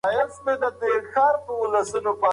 خو دوی نه پوهېدل چې د فاینل لپاره څه لازم دي.